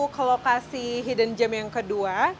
ke lokasi hidden gem yang kedua